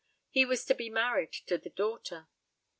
He was to be married to the daughter.